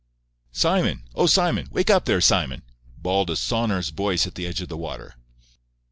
"Simon!—Oh, Simon!—wake up there, Simon!" bawled a sonorous voice at the edge of the water.